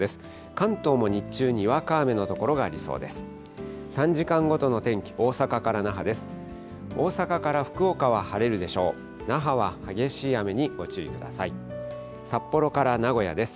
関東も日中、にわか雨の所がありそうです。